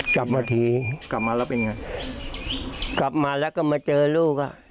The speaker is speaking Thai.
กลับมาทีกลับมาแล้วเป็นไงกลับมาแล้วก็มาเจอลูกอ่ะ